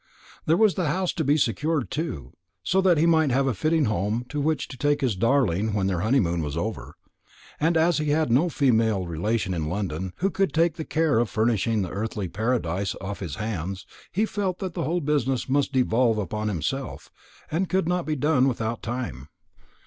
There was the house to be secured, too, so that he might have a fitting home to which to take his darling when their honeymoon was over; and as he had no female relation in London who could take the care of furnishing this earthly paradise off his hands, he felt that the whole business must devolve upon himself, and could not be done without time.